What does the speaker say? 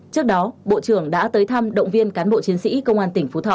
trước đó bộ trưởng đã tới thăm động viên cán bộ chiến sĩ công an tỉnh phú thọ